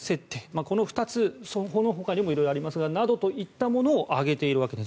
この２つこのほかにも色々ありますがなどといったものを挙げているわけです。